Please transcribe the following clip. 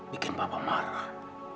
bikin papa marah